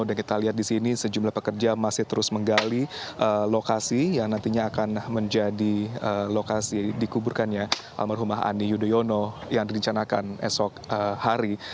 dan kita lihat di sini sejumlah pekerja masih terus menggali lokasi yang nantinya akan menjadi lokasi dikuburkannya almarhumah andi yudhoyono yang direncanakan esok hari